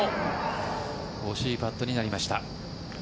惜しいパットになりました。